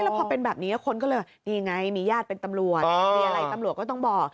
แล้วพอเป็นแบบนี้คนก็เลยนี่ไงมีญาติเป็นตำรวจมีอะไรตำรวจก็ต้องบอก